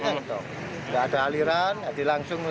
takut ambro gitu